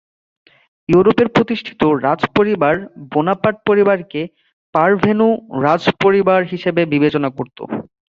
ইউরোপের প্রতিষ্ঠিত রাজপরিবার বোনাপার্ট পরিবারকে "পারভেনু" রাজপরিবার হিসেবে বিবেচনা করত।